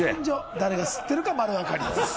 誰が吸ってるか丸分かりです。